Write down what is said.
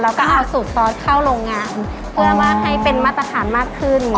แล้วก็เอาสูตรซอสเข้าโรงงานเพื่อว่าให้เป็นมาตรฐานมากขึ้น